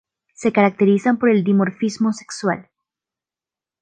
Se caracterizan por el dimorfismo sexual.